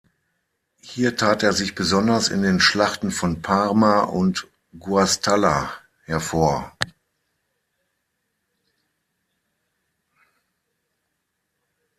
Hier tat er sich besonders in den Schlachten von Parma und Guastalla hervor.